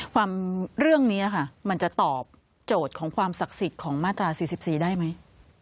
เรื่องนี้ค่ะมันจะตอบโจทย์ของความศักดิ์สิทธิ์ของมาตรา๔๔ได้ไหม